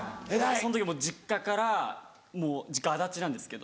そん時も実家から実家足立なんですけど。